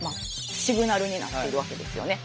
シグナルになってるわけですよね。